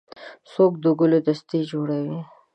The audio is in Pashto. څوک د ګلو دستې جوړوي.